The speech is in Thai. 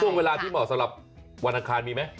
ช่วงเวลาที่เหมาะสำหรับวันอังคารมีไหม